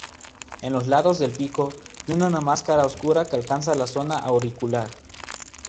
En los lados del pico tiene una máscara oscura que alcanza la zona auricular.